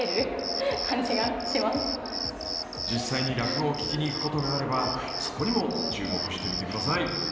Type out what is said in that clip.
実際に落語を聞きに行くことがあればそこにも注目してみてください。